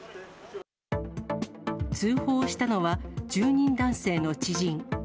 通報をしたのは住人男性の知人。